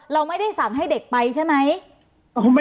เราไม่ได้สั่งให้เด็กไปใช่ไหม